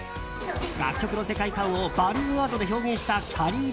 楽曲の世界観をバルーンアートで表現したきゃりー